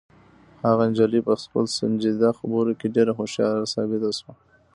هغه نجلۍ په خپلو سنجیده خبرو کې ډېره هوښیاره ثابته شوه.